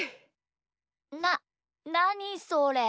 ななにそれ？